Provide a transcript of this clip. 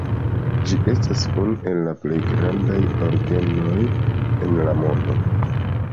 Ĝi estas unu el la plej grandaj orgenoj en la mondo.